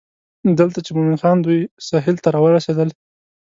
دلته چې مومن خان دوی سهیل ته راورسېدل.